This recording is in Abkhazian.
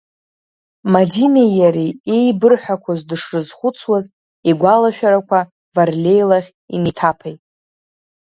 Мадинеи иареи иеибырҳәақәоз дышрызхәыцуаз, игәалашәарақәа Варлеи лахь инеиҭаԥеит.